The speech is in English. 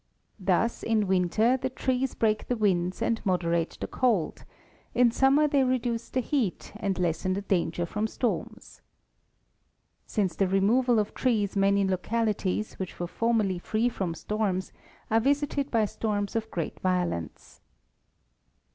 Thus in winter the trees break the winds and moderate the cold ; in summer they reduce the heat, and lessen the danger from storms. Since the re moval of trees many localities, which were formerly free from storms, are visited by storms of gre'at violence.